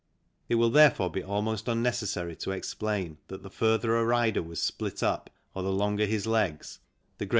It will therefore be almost unnecessary to explain that the further a rider was split up or the longer his legs, the greater advantage FIG.